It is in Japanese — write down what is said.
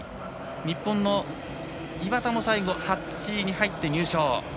日本の岩田も最後、８位に入って入賞。